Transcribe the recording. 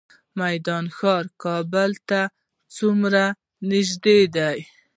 میدان ښار کابل ته څومره نږدې دی؟